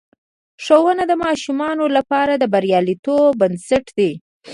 ښوونه د ماشومانو لپاره د بریالیتوب بنسټ دی.